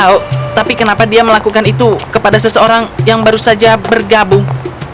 oh tapi kenapa dia melakukan itu kepada seseorang yang baru saja bergabung